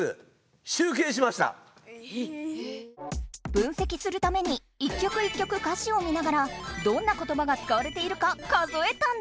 分析するために一曲一曲歌詞を見ながらどんなことばがつかわれているか数えたんだって！